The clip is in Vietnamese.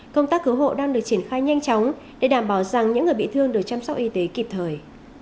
công tác cứu hộ đang được triển khai nhanh chóng để đảm bảo rằng những người bị thương được chăm sóc y tế kịp thời